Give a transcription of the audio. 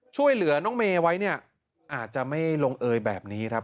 ช่วยเหลือน้องเมย์ไว้เนี่ยอาจจะไม่ลงเอยแบบนี้ครับ